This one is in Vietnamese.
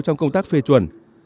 trong công tác phê chuẩn